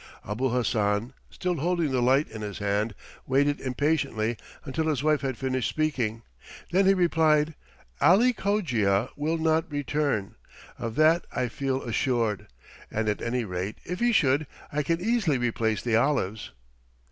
Abul Hassan, still holding the light in his hand, waited impatiently until his wife had finished speaking. Then he replied, "Ali Cogia will not return; of that I feel assured. And at any rate, if he should, I can easily replace the olives."